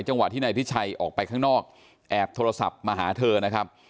ที่นายพิชัยออกไปข้างนอกแอบโทรศัพท์มาหาเธอนะครับ